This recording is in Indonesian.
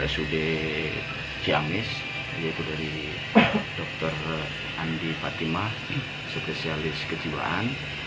sud ciamis yaitu dari dr andi fatimah spesialis kejiwaan